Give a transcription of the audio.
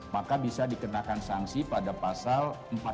maka bisa dikenakan sanksi pada pasal empat belas